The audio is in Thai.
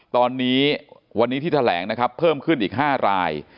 ตอนนี้วันนี้ที่แถลงนะครับเพิ่มขึ้นอีก๕ราย